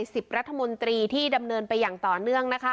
สิบรัฐมนตรีที่ดำเนินไปอย่างต่อเนื่องนะคะ